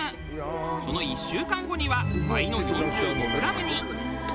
その１週間後には倍の４５グラムに。